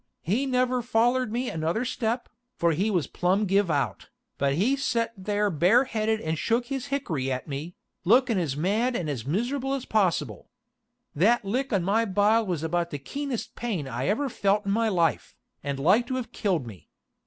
He never follered me another step, for he was plum giv out, but he set there bareheaded and shook his hickory at me, lookin' as mad and as miserable as possible. That lick on my bile was about the keenest pain I ever felt in my life, and like to have killed me.